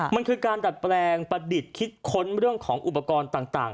มันคือการดัดแปลงประดิษฐ์คิดค้นเรื่องของอุปกรณ์ต่าง